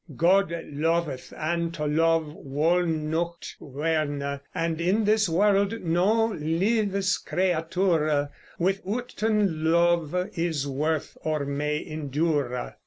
God loveth, and to love wol nought werne; And in this world no lyves creature, With outen love, is worth, or may endure.